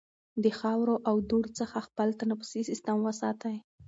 د خاورو او دوړو څخه خپل تنفسي سیستم وساتئ.